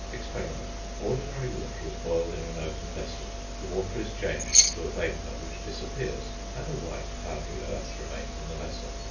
Experiment. Ordinary water is boiled in an open vessel; the water is changed to a vapour which disappears, and a white powdery earth remains in the vessel.